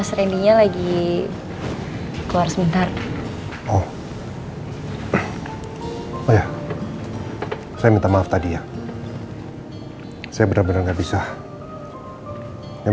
sampai jumpa di video selanjutnya